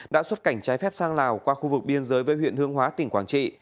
đã xuất cảnh trái phép sang lào qua khu vực biên giới với huyện hương hóa tỉnh quảng trị